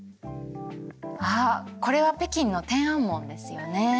あっこれは北京の天安門ですよね？